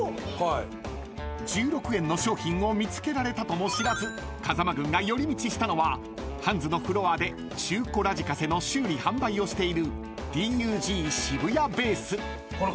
［１６円の商品を見つけられたとも知らず風間軍が寄り道したのはハンズのフロアで中古ラジカセの修理販売をしている］